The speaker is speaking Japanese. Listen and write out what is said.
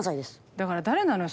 だから誰なのよ